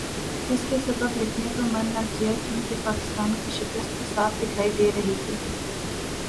جس کے سبب لکھنے کو من نہ کیا کیونکہ پاکستان کی شکست تو صاف دکھائی دے رہی تھی ۔